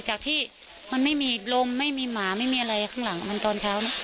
จากที่มันไม่มีลมไม่มีหมาไม่มีอะไรข้างหลังมันตอนเช้า